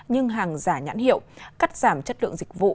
nhưng hàng giả nhãn hiệu cắt giảm chất lượng dịch vụ